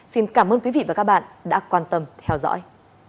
xin cảm ơn quý vị và các bạn đã quan tâm theo dõi